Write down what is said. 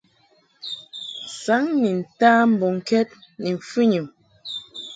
Saŋ ni nta mbɔŋkɛd ni mfɨnyum.